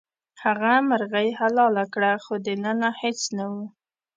هغه مرغۍ حلاله کړه خو دننه هیڅ نه وو.